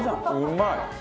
うまい。